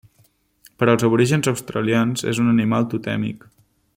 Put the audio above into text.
Per als aborígens australians és un animal totèmic.